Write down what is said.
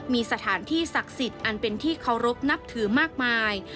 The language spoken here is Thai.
มีสถานที่ศักดิ์สิทธิ์อันเป็นที่เคารพนับถือมากมาย